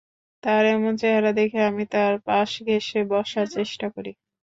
তাঁর এমন চেহারা দেখে আমি তাঁর পাশ ঘেঁষে বসার চেষ্টা করি।